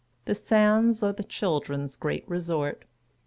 The sands are the children's great resort.